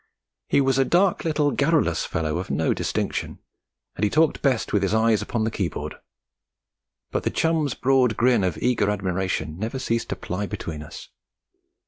He was a dark little garrulous fellow of no distinction, and he talked best with his eyes upon the keyboard, but the chum's broad grin of eager admiration never ceased to ply between us.